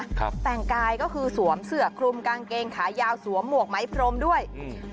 ครับแต่งกายก็คือสวมเสือกคลุมกางเกงขายาวสวมหมวกไม้พรมด้วยอืม